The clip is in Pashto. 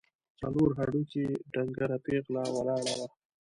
څلور هډوکي، ډنګره پېغله ولاړه وه.